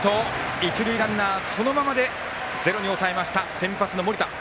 一塁ランナー、そのままでゼロに抑えました、先発の盛田。